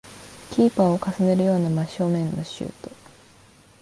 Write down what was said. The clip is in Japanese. キーパーをかすめるような真正面のシュート